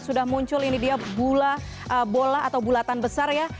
sudah muncul ini dia bola atau bulatan besar ya